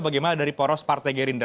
bagaimana dari poros partai gerindra